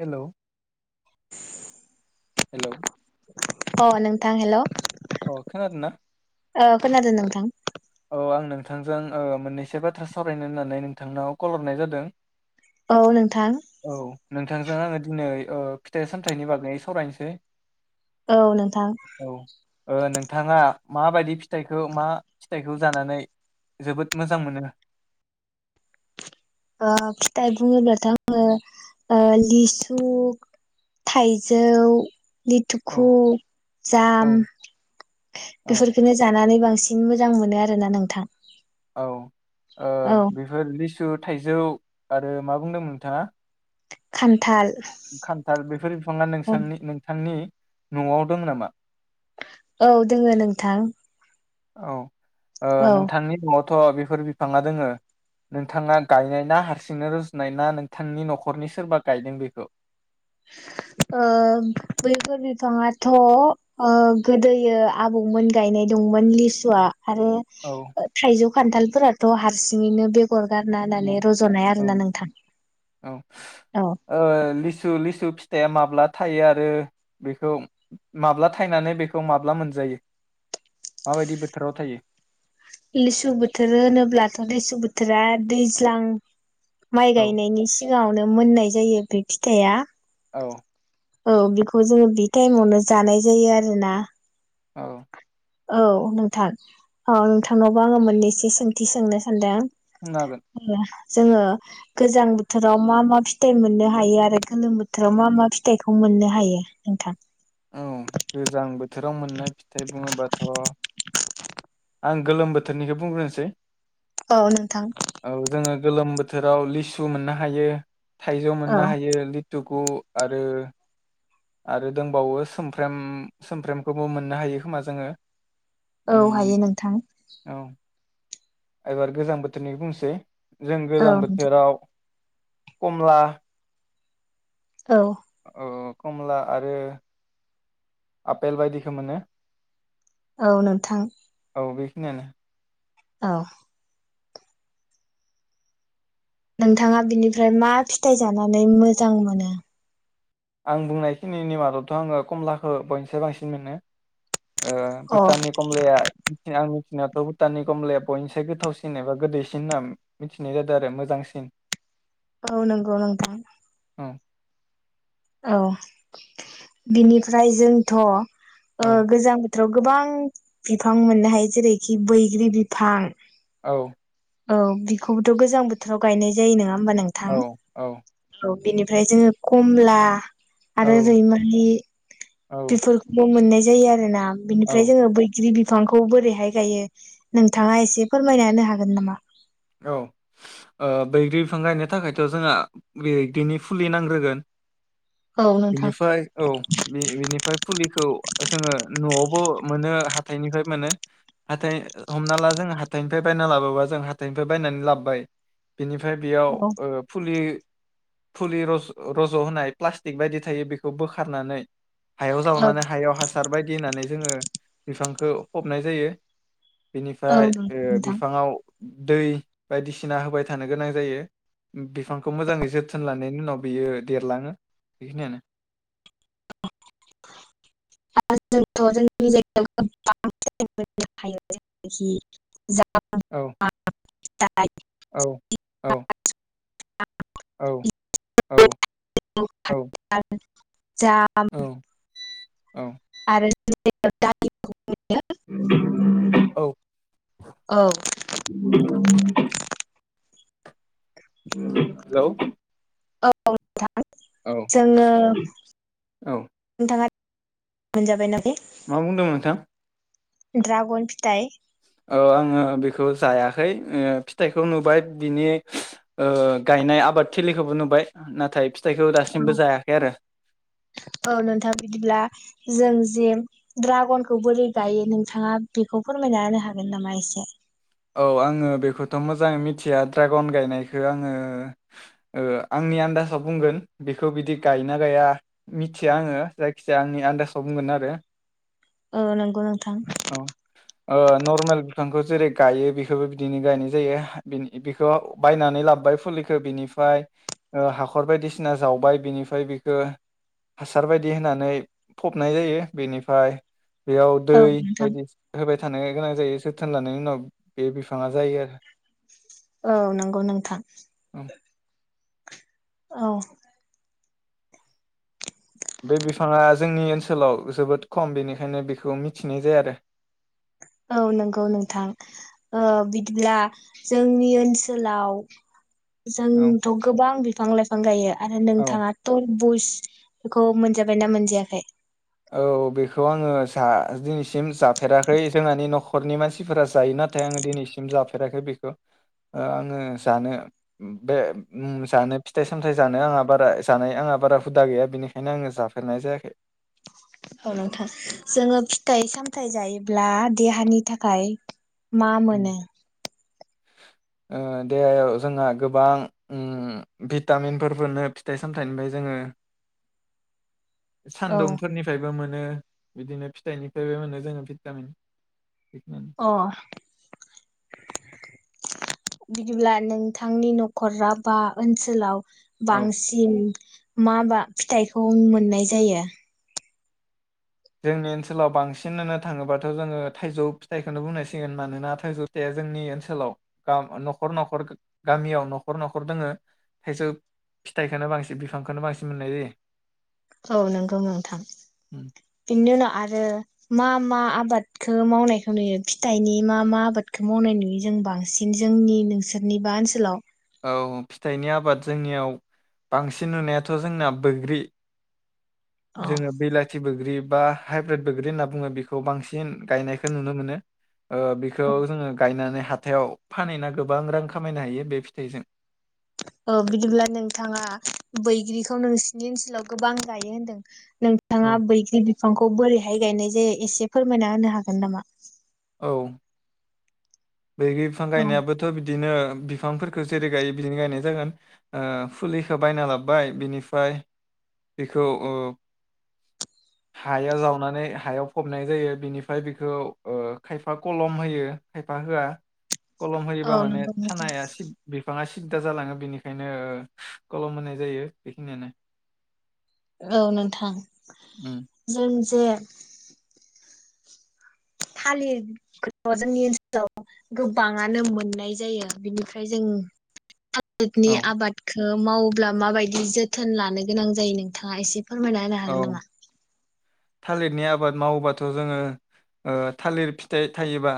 Hello. [unintelligible] Hello. अ नोंथां hello. अ खोनादोंना। ओ खोनादों नोंथां। औ आं नोंथांजों ओ मोननैसो बाथ्रा सावरायनो होननानै नोंथांनाव कल हरनाय जादों। औ नोंथां। बिथांजों आङो दिनै ओ फिथाइ-सामथाइनि बागै सावरायनोसै। औ नोंथां। थाङा माबायदि फिथाइखौ मा फिथाइखौ जानानै जोबोद मोजां मोनो? ओ फिथाइ बुङोब्लाथ' आङो ओ लिसु थाइजौ औ लिथुखु औ जाम औ बेफोरखोनो जानानै बांसिन मोजां मोनो आरोना नोंथां। औ ओ औ बेफोर लिसु थाइजौ आरो मा बुंदोंमोन नोंथाङा? खान खान्थाल बेफोर बिफांआ नोंसांनि नोंथांनि न'आव दं नामा? औ दोङो नोंथां। औ। ओ औ नोंथांनि न'आव थ' बेफोर बिफाङा दोङो नोंथाङा गायनाय ना हारसिंनो रुज'नाय ना नोंथांनि न'खरनि सोरबा गायदों बेखौ? ओ बैफोर बिफाङाथ' ओ गोदोयो आबौमोन गायनाय दंमोन लिसुआ। आरो औ थाइजौ खान्थालफोराथ' हारसिङैनो बे गर गारना औ होनानै रज'नाय आरोना नोंथां औ औ। थु फिथाइया माब्ला थायो आरो बेखौ माब्ला थायनानै बेखौ माब्ला मोनजायो माबायदि बोथोराव थायो? लिसु बोथोर होनोब्लाथ' लिसु बोथोरा दैज्लां माइ औ गायनायनि सिगाङाव नो मोननाय जायो बे फिथाइआ। औ औ बेखौ जोङो बे टाइमावनो जानाय जायो आरोना। औ औ नोंथां औ नोंथांनावबो आङो मोननैसो सोंथि सोंनो सानदों। सोंनो हागोन। जोङो गोजां बोथोराव मा मा फिथाइ मोननो हायो आरो गोलोम बोथोराव मा मा फिथाइखौ मोननो हायो नोंथां? औ गोजांबोथ थोराव मोननाय फिथाइ बुङोबाथ' [inaudible] आं गोलोम बोथोरनिखो बुंग्रोनोसै। औ नोंथां [inaudible] औ जोङो गोलोम बो थोराव लिसु मोननो हायो थाइजौ औ मोननो हायो लिथु गु आरो आरो दोंबावो सोमफ्रेम सोमफ्रेमखौबो मोननो हायो खोमा जोङो। औ उम हायो नोंथां औ एबार गोजां बोथोरनि बुंसै जों औ गोजां बोथोराव कमला औ कमला आरो आपेल बायदिखौ मोनो औ नोंथां औ बेखिनियानो। औ नोंथाङा बिनिफ्राय मा फिथाइ जानानै मोजां मोनो। आं बुंनायखिनि मादावथ' आङो कमलाखौ बयनिसाय बांसिन मोनो ओ अ भुटाननि कमलाया आंनि नाथ' भुटाननि कमलाया बयनिस गोथावसिन एबा गोदैसिन होनना मिथिनाय जादों आरो मोजांसिन। औ नंगौ नंगौ। [unintelligible] औ बिनिफ्राय जोंथ' औ ओ गोजां बोथोराव गोबां बिफां मोननो हायो जेरैखि बैग्रि बिफां औ औ बिखौबोथ' गोजां बोथोराव गायनाय जायो नङा। होमबा नोंथां औ औ औ बिनिफ्राय जोङो कमला। औ आरो रैमारि बेफोरखौबो मोननाय जायो जायो आरो ना। बिनिफ्राय औ जोङो बैग्रि बिफांखौ बोरैहाय गायो नोंथाङा एसे फोरमायना होनो हागोन नामा? औ ओ बैग्रि बिफां गायनो थाखायथ' जोंहा बैग्रिनि फुलि नांग्रोगोन औ नोंथां बिनिफ्राय औ बिनिफ्राय फुलिखौ जोङो न'आवबो मोनो हाथाइनिफ्राय मोनो। हाथाय हमना ला जों हाथायनिफ्राय बायना लाबोबा जों हा हाथायनिफ्राय बायनानै लाबोबाय बिनिफ्राय औ बेयाव फुलि फुलि रज रज' होनाय प्लास्टिक बायदि थायो बेखौ बोखारनानै हायाव औ जावनानै हायाव हासार बायदि होननानै जोङो बिफांखौ फबनाय जायो। बिनिफ्राय ओ नंगौ नोंथां बिफाङाव दै बायदिसिना होबाय थानो गोनां जायो बिफांखौ मोजाङै जोथोन लानायनि उनाव बियो देरलाङो बेखिनियानो। [unintelligible] औ दा औ औ औ औ औ [inaudible] जाम औ औ आरो [inaudible] औ [inaudible] हेलौ औ नोंथां औ जोङो औ नोंथाङा मोनजाबायना बे मा बुंदोंमोन नोंथां ड्राग'न फिथाइ औ आङो बे खौ जायाखै फिथाइखौ नुबाय बिनि गायनाय आबाद थिलिखौबो नुबाय नाथाय फिथाइखौ दासिमबो जायाखै आरो औ औ नोंथां बिदिब्ला जों जे ड्रागनखौ बोरै गायो नोंथाङा बेखौ फोरमायना होनो हागोन नामा एसे औ आङो बेखौथ' मोजाङै मिथिया ड्रागन गायनायखौ आङो ओ आंनि आन्दासाव बुंगोन बेखौ बिदि गायना गाया मिथिया आङो जायखिजाया आंनि आन्दासाव बुंगोन आरो औ नंगौ नोंथां औ ओ नर्मेल [unintelligible] जेरै गायो बेखौबो बिदिनो गायनाय जायो बेखौ बायनानै लाबोबाय फुलिखौ बिनिफ्राय हाखर बायदिसिना जावबाय बिनिफ्राय बेखौ हासार बायदि होननानै फबनाय जायो बेनिफ्राय बेयाव दै औ नोंथां बायदि होबाय थानो गोनां जायो जोथोन लानायनि उनाव बे बिफाङा जायो आरो औ नंगौ नोंथां औ बे बिफाङा जोंनि ओनसोलाव जोबोद खम बेनिखायनो बेखौ मिथिनाय जाया आरो औ नंगौ नोंथां ओ बिदिब्ला जोंनि ओनसोलाव आरो जोंथ' गोबां बिफां लाइफां गायो आरो औ नोंथाङा तरबुस बेखौ मोनजाबायना मोनजायाखै औ बेखौ आङो जा दिनैसिम जाफेराखै जोंहानि न'खरनि मानसिफोरा जायो नाथाय आङो दिनैसिम जाफेराखै बेखौ आङो जानो बे जानो फिथाइ सामथायाइ जानो आंहा बारा जानाय आंहा बारा हुदा गैया बेनिखायनो आङो जाफेरनाय जायाखै औ नोंथां जोङो फिथाइ सामथायाइ जायोब्ला देहानि थाखाय मा मोनो ओ देहायाव जोंहा गोबां ओ भिटामिनफोर मोनो फिथाइ सामथाइनिफ्राय जोङो औ सान्दुंफोरनिफ्रायबो मोनो ओ बिदिनो फिथाइनिफ्रायबो मोनो जोङो भिटामिन बेखिनियानो अ बिदिब्ला नोंथांनि न'खरा बा ओनसोलाव औ। बांसिन माबा फिथाइखौ मोननाय जायो। जोंनि ओनसोलाव बांसिन होननो थाङोबाथ' जोङो थाइजौ फिथाइखोनो बुंनांसिगोन। मानोना थाइजौ फिथाइआ जोंनि ओनसोलाव आ न'खर न'खर गामियाव न'खर न'खर दोङो। थाइजौ फिथाइखोनो बांसिन बिफांखोनो बांसिन मोननाय जायो। औ नंगौ नोंथां। बेनि उनाव आरो मा मा आबादखो मावनायखौ नुयो फिथाइनि मा मा आबादखौ मावनाय नुयो जों बांसिन जोंनि नोंसोरनि बा ओनसोलाव? औ फिथाइनि आबाद जोंनियाव बांसिन नुनायाथ' जोंना बैग्रि अ जोङो बेलाथि बोग्रि बा हाइब्रिद बोग्रि होनना बुङो बेखौ बांसिन गायनायखो नुनो मोनो। ओ बिखौ औ जोङो गायनानै हाथायाव फानहैना गोबां रां खामायनो हायो। बे जों। औ बिदिब्ला नोंथाङा बैग्रिखौ नोंसिनि ओनसोलाव गोबां गायो होनदों। नोंथाङा औ बैग्रि बिफांखौ बोरैहाय गायनाय जायो? एसे फोरमायना होनो हागोन नामा? औ। बैग्रि बिफां औ गायनायाबोथ' बिदिनो बिफांफोरखो जेरै गायो बिदिनो गायनाय जागोन। ओ फुलिखो बायना लाबोबाय बिनिफ्राय बिखौ ओ हाया जावनानै हायाव फबनाय जायो। बिनिफ्राय बिखौ ओ खायफा कलम होयो। खाय फा होआ। कलम होयोबा औ माने नंगौ नोंथां थानाया सिब बिफाङा सि सिददा जालाङो बेनिखायनो ओ कलम होननाय जायो बेखिनियानो। औ नोंथां। उम जों जे थालिरथ' जोंनि ओनसोलाव गोबांङानो मोननाय जायो। बिनिफ्राय जों थालितनि औ आबाद ओ मावोब्ला माबायदि जोथोन लानो गोनां जायो नोंथाङा एसे फोरमायना हागोन औ नामा? थालिरनि आबाद मावोबाथ' जोंङो ओ थालिर फिथाइ थायोबा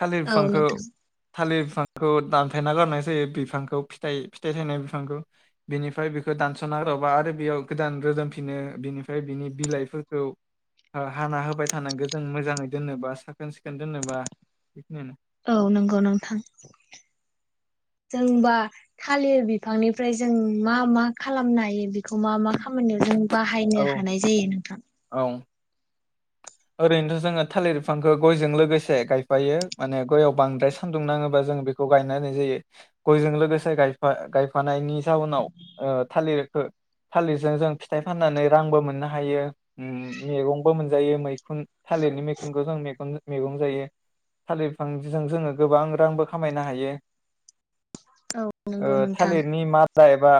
थालिर औ फिफांखौ नोंथां थालिर बिफांखौ दानफायना गारनाय जायो बिफांखौ फिथाइ फिथाइ थायनाय बिफांखौ। बिनिफ्राय बिखो दानस'ना औ गारबा आरो बेयाव गोदान रोदोम फि नो बिनिफ्राय बिनि बिलाइफोरखौ आ हाना होबाय थानांगो जों मोजांङै दोननोबा सा औ नंगौ नोंथां। जों बा थालिर बिफांनिफ्राय जों मा मा खालामनो हायो बेखौ मा मा खामानियाव जों औ बाहायनो हानाय जायो नोंथां? औ ओरैनोथ' जोङो थालिर बिफांखौ गयजों लोगोसे गायफायो। माने गयाव बांद्राय सान्दुं नाङोबा जों बेखौ गायना होनाय जायो। गयजों लोगोसे गायफा गायफानायनि जाउनाव ओ थालिरखो थालिरजों जों फिथाइ फाननानै रांबो मोननो हायो। उम मेगंबो मोनजायो मै खुन थालिरनि मैखुनखौ जों मेगन मेगं जायो थालिर बिफांजों जोङो गोबां रांबो खामायनो हायो। औ ओ नंगौ नोंथां। थालिरनि मादा एबा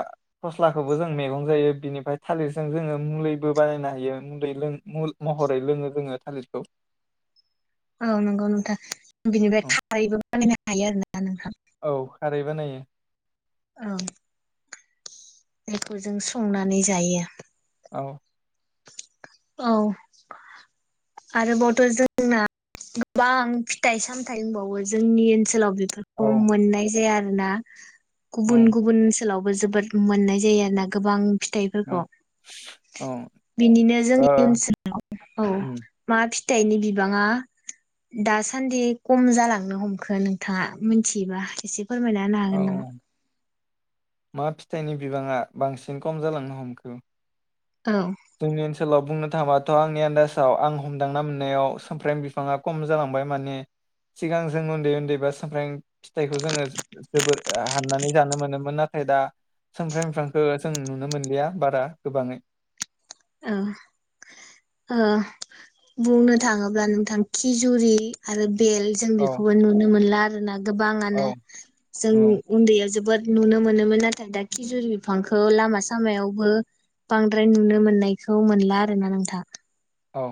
फस्लाखौबो जों मेगं जायो। बिनिफ्राय थालिरजों जोंङो मुलैबो बानायनो हायो मुलै लों महरै लोङो। जोंङो थालिरखौ औ नंगौ नोंथां बिनिफ्राय औ खारैबो बानायनो हायो आरो ना नोंथां। औ खारै बानायो। औ बेखौ जों संनानै जायो। औ औ आरोबावथ' जोंना गोबां फिथाइ सामथाइ होनबावो जोंनि ओनसोलाव औ फोरखौ मोननाय जाया [unintelligible] ना औ गुबुन गुबुन ओनसोलावबो जोबोद मोननाय जायो आरोना गोबां औ फिथाइफोरखौ। औ बिनिनो जोंनि ओ ओनसोलाव औ उम मा फिथाइनि बिबांङा दासान्दि खम जालांनो हमखो नोंथाङा मिथियोबा एसे फोरमायना होनो औ हागोन नामा? मा फिथाइनि बिबाङा बांसिन कम जालांनो हमखो औ सोलाव बुंनो थांबाथ' आंनि आन्दाजाव आं हमदांना मोननायाव समफ्रेम बिफाङा कम जालांबाय माने सिगां जों उन्दै उन्दै बा समफ्रें फिथाइखौ जोङो थाय दा सेमफ्रें बिफांखो जों नुनो मोनलिया बारा गोबाङै। ओ ओ बुंनो थाङोब्ला नोंथां खिजुरि आरो बेल जों औ बेखौबो नुनो मोनला। [unintelligible] गोबांआनो औ जों औ उन्दैयाव जोबोद नुनो मोनोमोन नाथाय दा खिजुर बिफांखौ लामा सामायावबो बांद्राय नुनो मोननाय इखौ मोनला आरोना नोंथां। औ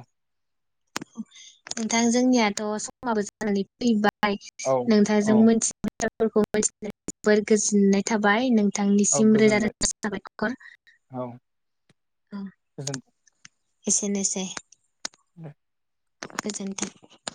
नोंथां जोंनियाथ' समाबो जानानै फैबा बाय औ नोंथांजों औ मिथि [unintelligible] [unintelligible] जोबोर गोजोननाय थाबाय नों औ थांनिसिम रोजा गोजोनबाय रोजा साबायखर औ अ गोजोनथों एसेनोसै। दे [inaudible] गोजोनथों